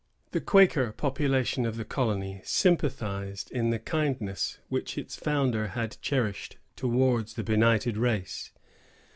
The Quaker population of the colony sympathized in the kindness which its founder had cherished towards the benighted race.